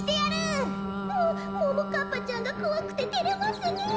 もももかっぱちゃんがこわくててれますねえ。